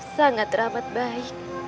sangat ramad baik